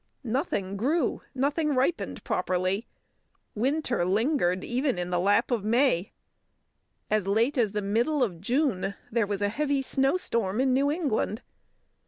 Nothing grew, nothing ripened properly. Winter lingered even in the lap of May. As late as the middle of June there was a heavy snowstorm in New England.